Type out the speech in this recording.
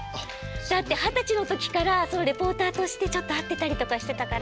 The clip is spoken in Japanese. だって二十歳の時からリポーターとしてちょっと会ってたりとかしてたから。